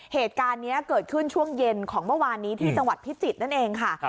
เหตุการณ์นี้เกิดขึ้นช่วงเย็นของเมื่อวานนี้ที่จังหวัดพิจิตรนั่นเองค่ะ